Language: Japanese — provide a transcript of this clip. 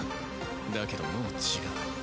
だけどもう違う。